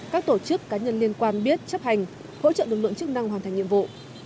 các tổ chức cá nhân liên quan biết chấp hành hỗ trợ lực lượng chức năng hoàn thành nhiệm vụ